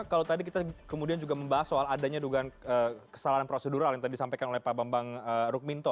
kalau tadi kita kemudian juga membahas soal adanya dugaan kesalahan prosedural yang tadi disampaikan oleh pak bambang rukminto